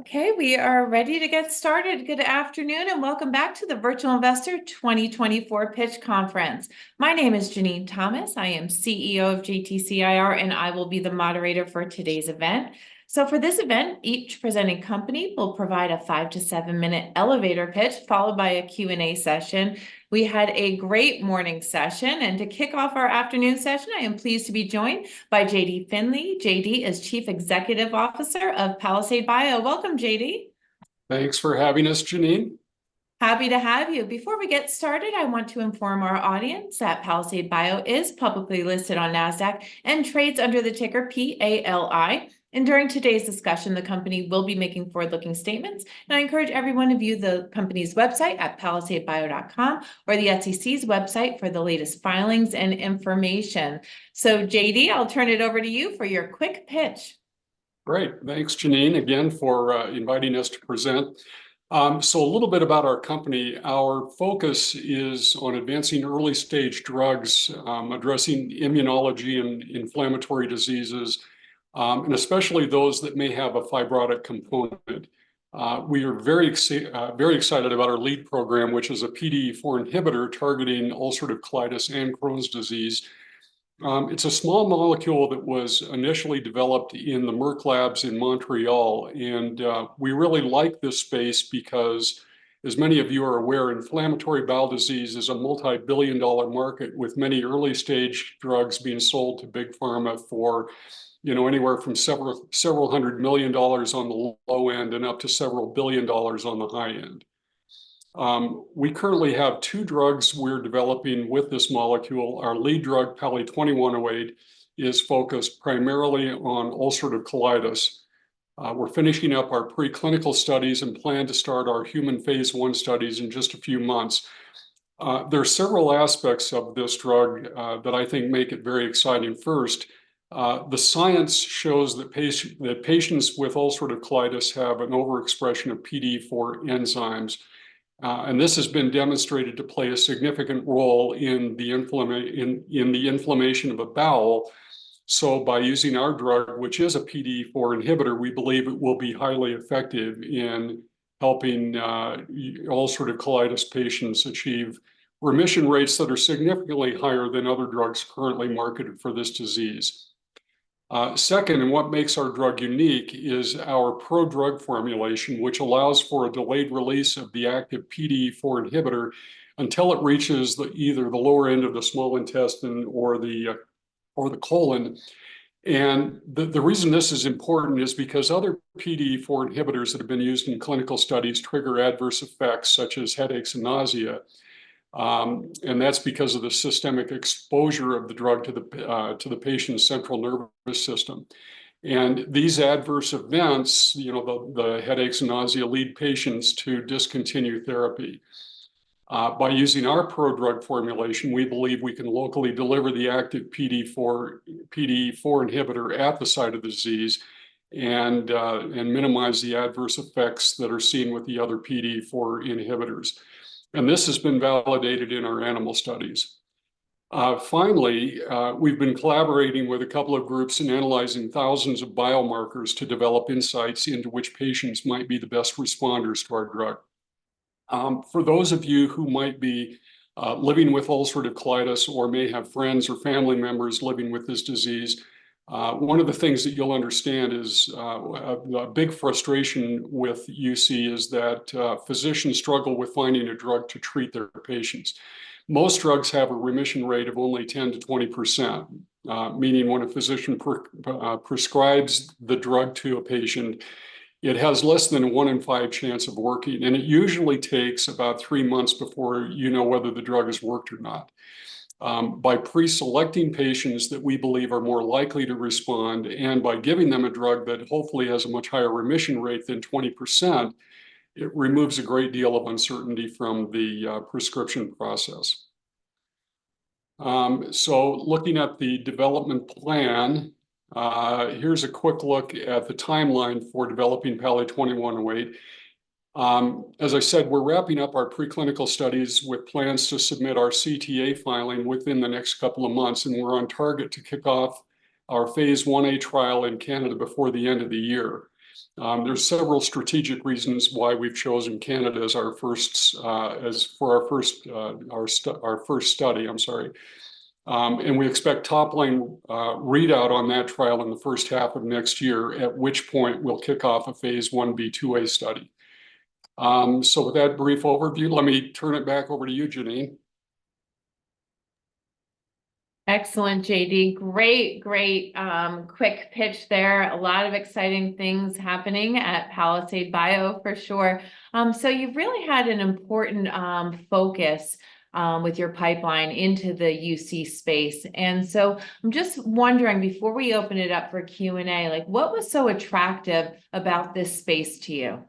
Okay, we are ready to get started. Good afternoon, and welcome back to the Virtual Investor 2024 Pitch Conference. My name is Jenene Thomas. I am CEO of JTCIR, and I will be the moderator for today's event. For this event, each presenting company will provide a five to seven minute elevator pitch followed by a Q&A session. We had a great morning session, and to kick off our afternoon session, I am pleased to be joined by J.D. Finley. J.D. is Chief Executive Officer of Palisade Bio. Welcome, J.D. Thanks for having us, Jenene. Happy to have you. Before we get started, I want to inform our audience that Palisade Bio is publicly listed on NASDAQ and trades under the ticker PALI. During today's discussion, the company will be making forward-looking statements. I encourage everyone to view the company's website at palisadebio.com or the SEC's website for the latest filings and information. J.D., I'll turn it over to you for your quick pitch. Great. Thanks, Jenene, again for inviting us to present. A little bit about our company. Our focus is on advancing early stage drugs, addressing immunology and inflammatory diseases, and especially those that may have a fibrotic component. We are very excited about our lead program, which is a PDE4 inhibitor targeting ulcerative colitis and Crohn's disease. It's a small molecule that was initially developed in the Merck labs in Montreal. We really like this space because, as many of you are aware, inflammatory bowel disease is a multi-billion-dollar market, with many early stage drugs being sold to big pharma for, you know, anywhere from several hundred million dollars on the low end and up to several billion dollars on the high end. We currently have two drugs we're developing with this molecule. Our lead drug, PALI-2108, is focused primarily on ulcerative colitis. We're finishing up our preclinical studies and plan to start our human phase I studies in just a few months. There are several aspects of this drug that I think make it very exciting. First, the science shows that patients with ulcerative colitis have an overexpression of PDE4 enzymes. This has been demonstrated to play a significant role in the inflammation of the bowel. By using our drug, which is a PDE4 inhibitor, we believe it will be highly effective in helping ulcerative colitis patients achieve remission rates that are significantly higher than other drugs currently marketed for this disease. Second, and what makes our drug unique is our pro-drug formulation, which allows for a delayed release of the active PDE4 inhibitor until it reaches either the lower end of the small intestine or the colon. The reason this is important is because other PDE4 inhibitors that have been used in clinical studies trigger adverse effects such as headaches and nausea. That's because of the systemic exposure of the drug to the patient's central nervous system. These adverse events, you know, the headaches and nausea, lead patients to discontinue therapy. By using our pro-drug formulation, we believe we can locally deliver the active PDE4 inhibitor at the site of the disease and minimize the adverse effects that are seen with the other PDE4 inhibitors. This has been validated in our animal studies. Finally, we've been collaborating with a couple of groups and analyzing thousands of biomarkers to develop insights into which patients might be the best responders to our drug. For those of you who might be living with ulcerative colitis or may have friends or family members living with this disease, one of the things that you'll understand is a big frustration with UC is that physicians struggle with finding a drug to treat their patients. Most drugs have a remission rate of only 10%-20%, meaning when a physician prescribes the drug to a patient, it has less than a one in five chance of working, and it usually takes about three months before you know whether the drug has worked or not. By pre-selecting patients that we believe are more likely to respond and by giving them a drug that hopefully has a much higher remission rate than 20%, it removes a great deal of uncertainty from the prescription process. So, looking at the development plan, here's a quick look at the timeline for developing PALI-2108. As I said, we're wrapping up our preclinical studies with plans to submit our CTA filing within the next couple of months, and we're on target to kick off our phase on I-A trial in Canada before the end of the year. There's several strategic reasons why we've chosen Canada as our first, as for our first, our first study, I'm sorry. And we expect top-line readout on that trial in the first half of next year, at which point we'll kick off a phase I-B/II-A study. So, with that brief overview, let me turn it back over to you, Jenene. Excellent, J.D. Great, great quick pitch there. A lot of exciting things happening at Palisade Bio for sure. So, you've really had an important focus with your pipeline into the UC space. And so, I'm just wondering before we open it up for Q&A, like, what was so attractive about this space to you?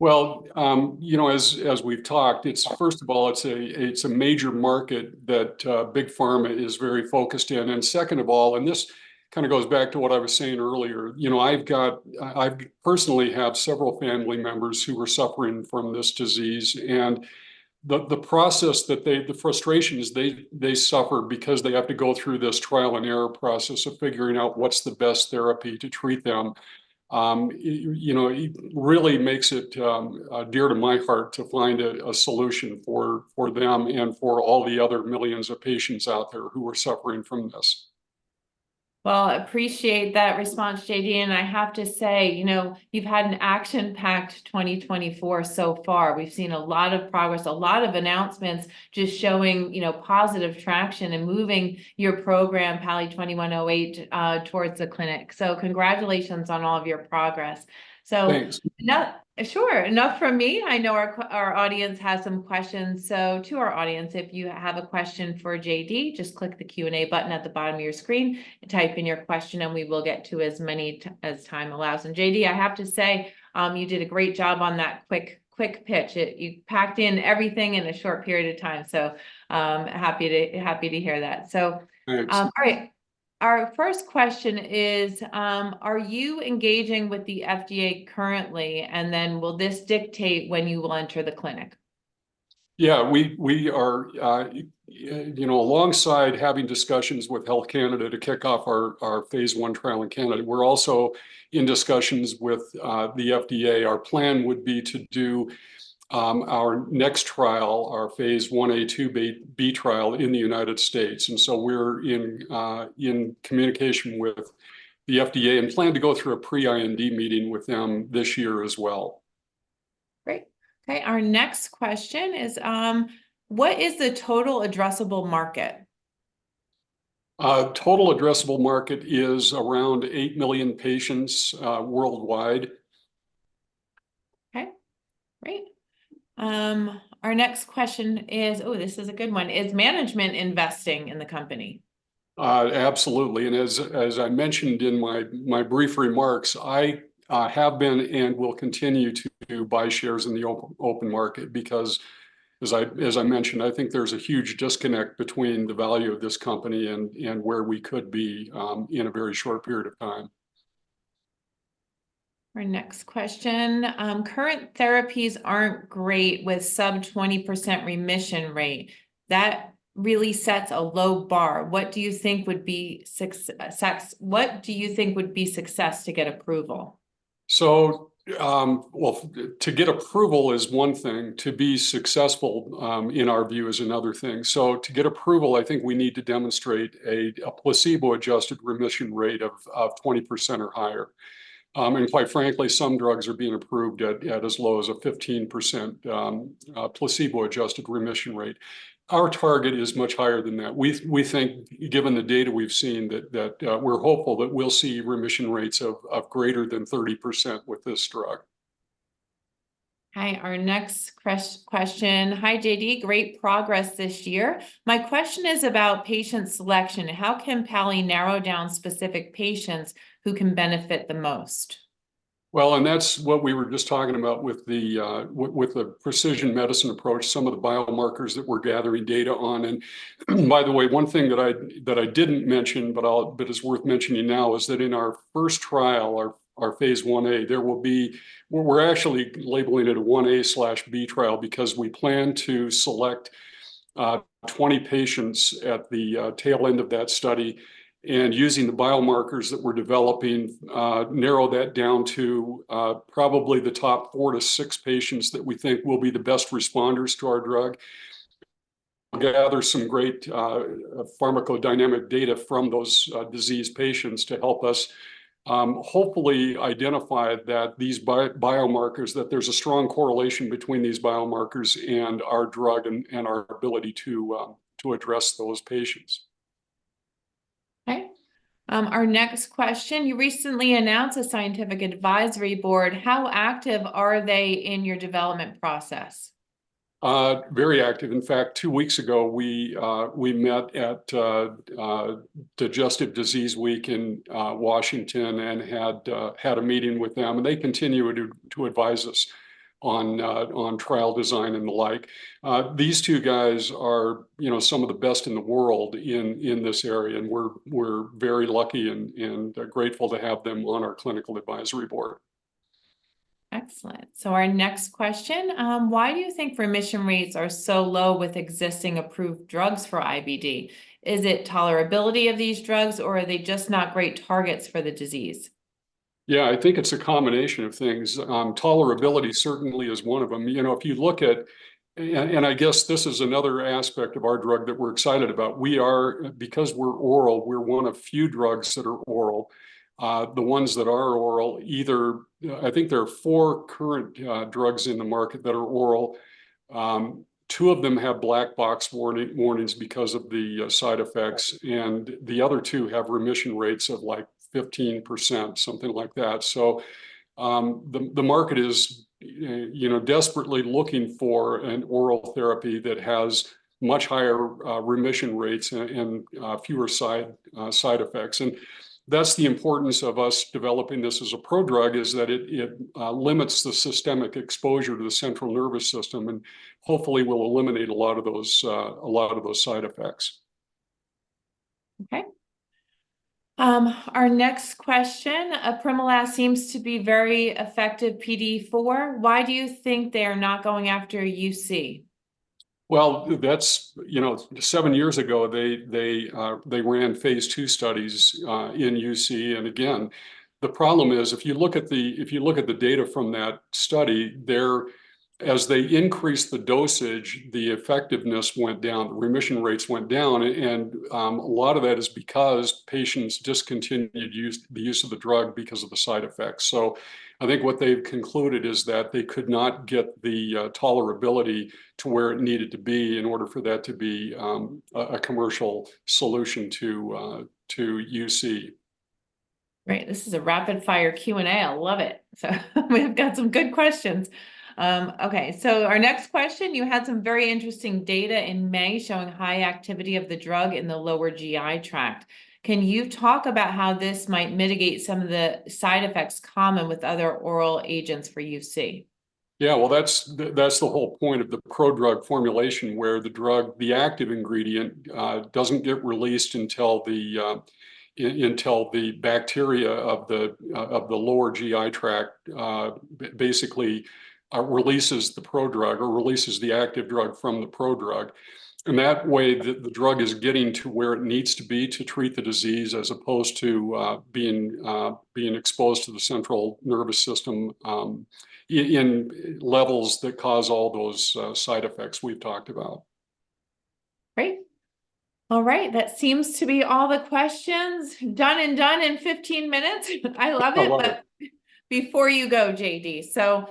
Well, you know, as we've talked, it's, first of all, it's a major market that big pharma is very focused in. And second of all, and this kind of goes back to what I was saying earlier, you know, I've got, I personally have several family members who were suffering from this disease. And the process that they, the frustration is they suffer because they have to go through this trial and error process of figuring out what's the best therapy to treat them. You know, it really makes it dear to my heart to find a solution for them and for all the other millions of patients out there who are suffering from this. Well, I appreciate that response, J.D. I have to say, you know, you've had an action-packed 2024 so far. We've seen a lot of progress, a lot of announcements just showing, you know, positive traction and moving your program, PALI-2108, towards the clinic. So, congratulations on all of your progress. Thanks. Sure. Enough from me. I know our audience has some questions. So, to our audience, if you have a question for J.D., just click the Q&A button at the bottom of your screen and type in your question, and we will get to as many as time allows. And J.D., I have to say, you did a great job on that quick pitch. You packed in everything in a short period of time. So, happy to hear that. So. Thanks. All right. Our first question is, are you engaging with the FDA currently? And then will this dictate when you will enter the clinic? Yeah, we are, you know, alongside having discussions with Health Canada to kick off our phase I trial in Canada, we're also in discussions with the FDA. Our plan would be to do our next trial, our phase I-B/II-A trial in the United States. And so, we're in communication with the FDA and plan to go through a pre-IND meeting with them this year as well. Great. Okay. Our next question is, what is the total addressable market? Total addressable market is around 8 million patients worldwide. Okay. Great. Our next question is, oh, this is a good one. Is management investing in the company? Absolutely. And as I mentioned in my brief remarks, I have been and will continue to buy shares in the open market because, as I mentioned, I think there's a huge disconnect between the value of this company and where we could be in a very short period of time. Our next question. Current therapies aren't great with sub 20% remission rate. That really sets a low bar. What do you think would be success? What do you think would be success to get approval? Well, to get approval is one thing. To be successful, in our view, is another thing. To get approval, I think we need to demonstrate a placebo-adjusted remission rate of 20% or higher. Quite frankly, some drugs are being approved at as low as a 15% placebo-adjusted remission rate. Our target is much higher than that. We think, given the data we've seen, that we're hopeful that we'll see remission rates of greater than 30% with this drug. Okay. Our next question. Hi, J.D. Great progress this year. My question is about patient selection. How can PALI narrow down specific patients who can benefit the most? Well, and that's what we were just talking about with the precision medicine approach, some of the biomarkers that we're gathering data on. And by the way, one thing that I didn't mention, but it's worth mentioning now, is that in our first trial, our phase I-A, there will be we're actually labeling it a I-A/B trial because we plan to select 20 patients at the tail end of that study and, using the biomarkers that we're developing, narrow that down to probably the top four to six patients that we think will be the best responders to our drug. We'll gather some great pharmacodynamic data from those disease patients to help us hopefully identify that these biomarkers, that there's a strong correlation between these biomarkers and our drug and our ability to address those patients. Okay. Our next question. You recently announced a scientific advisory board. How active are they in your development process? Very active. In fact, two weeks ago, we met at Digestive Disease Week in Washington and had a meeting with them. They continue to advise us on trial design and the like. These two guys are, you know, some of the best in the world in this area. We're very lucky and grateful to have them on our clinical advisory board. Excellent. So, our next question. Why do you think remission rates are so low with existing approved drugs for IBD? Is it tolerability of these drugs, or are they just not great targets for the disease? Yeah, I think it's a combination of things. Tolerability certainly is one of them. You know, if you look at, and I guess this is another aspect of our drug that we're excited about. We are, because we're oral, we're one of few drugs that are oral. The ones that are oral, either, I think there are four current drugs in the market that are oral. Two of them have black box warnings because of the side effects. And the other two have remission rates of like 15%, something like that. So, the market is, you know, desperately looking for an oral therapy that has much higher remission rates and fewer side effects. And that's the importance of us developing this as a pro-drug, is that it limits the systemic exposure to the central nervous system and hopefully will eliminate a lot of those, a lot of those side effects. Okay. Our next question. Apremilast seems to be very effective PDE4. Why do you think they are not going after UC? Well, that's, you know, seven years ago, they ran phase II studies in UC. And again, the problem is, if you look at the, if you look at the data from that study, as they increased the dosage, the effectiveness went down, the remission rates went down. And a lot of that is because patients discontinued the use of the drug because of the side effects. So, I think what they've concluded is that they could not get the tolerability to where it needed to be in order for that to be a commercial solution to UC. Right. This is a rapid-fire Q&A. I love it. So, we've got some good questions. Okay. So, our next question. You had some very interesting data in May showing high activity of the drug in the lower GI tract. Can you talk about how this might mitigate some of the side effects common with other oral agents for UC? Yeah, well, that's the whole point of the pro-drug formulation, where the drug, the active ingredient, doesn't get released until the bacteria of the lower GI tract basically releases the pro-drug or releases the active drug from the pro-drug. That way, the drug is getting to where it needs to be to treat the disease as opposed to being exposed to the central nervous system in levels that cause all those side effects we've talked about. Great. All right. That seems to be all the questions. Done and done in 15 minutes. I love it. I love it. But before you go, J.D. So,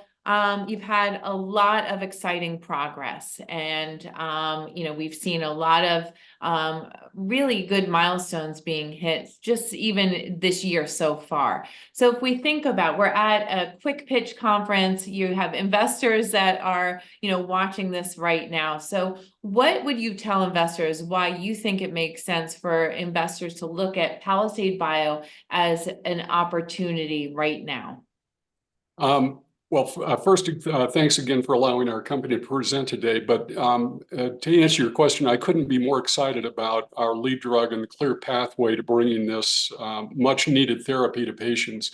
you've had a lot of exciting progress. And, you know, we've seen a lot of really good milestones being hit just even this year so far. So, if we think about, we're at a quick pitch conference. You have investors that are, you know, watching this right now. So, what would you tell investors why you think it makes sense for investors to look at Palisade Bio as an opportunity right now? Well, first, thanks again for allowing our company to present today. To answer your question, I couldn't be more excited about our lead drug and the clear pathway to bringing this much-needed therapy to patients.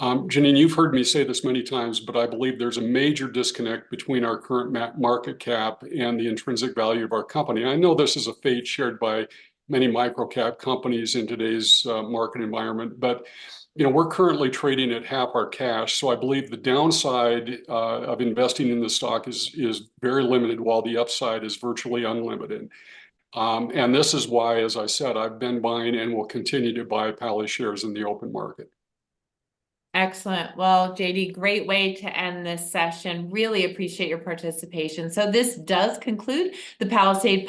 Janine, you've heard me say this many times, but I believe there's a major disconnect between our current market cap and the intrinsic value of our company. I know this is a fate shared by many micro-cap companies in today's market environment. You know, we're currently trading at half our cash. I believe the downside of investing in the stock is very limited while the upside is virtually unlimited. This is why, as I said, I've been buying and will continue to buy Palisade shares in the open market. Excellent. Well, J.D., great way to end this session. Really appreciate your participation. So, this does conclude the Palisade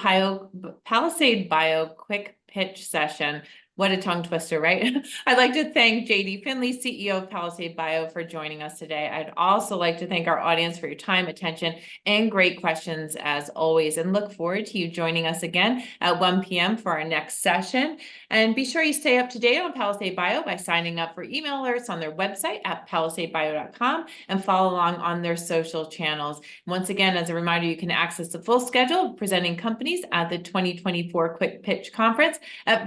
Bio quick pitch session. What a tongue twister, right? I'd like to thank J.D. Finley, CEO of Palisade Bio, for joining us today. I'd also like to thank our audience for your time, attention, and great questions as always. And look forward to you joining us again at 1:00 P.M. for our next session. And be sure you stay up to date on Palisade Bio by signing up for email alerts on their website at palisadebio.com and follow along on their social channels. Once again, as a reminder, you can access the full schedule of presenting companies at the 2024 Quick Pitch Conference at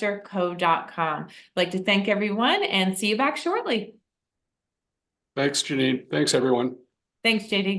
virtualinvestorco.com. I'd like to thank everyone and see you back shortly. Thanks, Janine. Thanks, everyone. Thanks, JD.